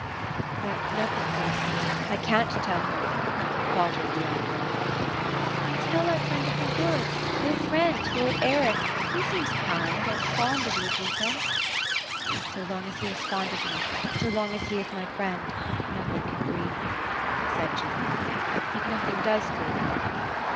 ^ But nothing grieves me — I can't tell her ;'' faltered the young girL *' Then tell our friend of the wood — your friend — lord. Eric; he «eeni8 kind, and fond of you, Jutha." " So long as he is fond of me — so long as he is my friend — nothing can grieve me ;" said Jutha. '* But nothing does grieve me.